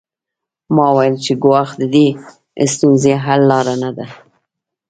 ما وویل چې ګواښل د دې ستونزې حل لاره نه ده